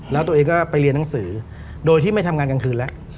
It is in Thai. แล้วตัวเองก็ไปเรียนหนังสือโดยที่ไม่ทำงานกลางคืนแล้ว